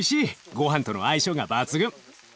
ごはんとの相性が抜群。